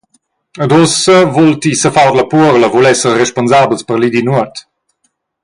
Ed ussa vul ti sefar ord la puorla, vul esser responsabels per lidinuot.